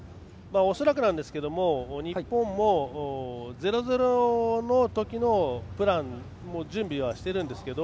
恐らくなんですけど日本も０−０のときのプランも準備はしているんですけど。